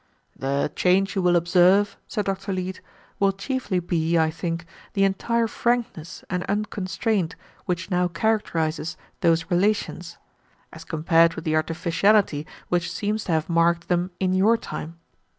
"The change you will observe," said Dr. Leete, "will chiefly be, I think, the entire frankness and unconstraint which now characterizes those relations, as compared with the artificiality which seems to have marked them in your time.